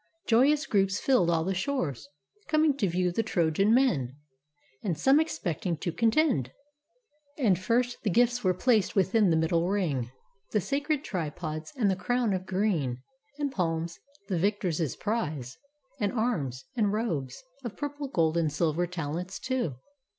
Joyous groups filled all The shores, coming to view the Trojan men, And some expecting to contend. And first The gifts were placed within the middle ring: The sacred tripods and the crown of green, And palms, the victors' prize, and arms, and robes Of purple, gold and silver talents too.